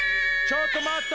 ちょっと待っと！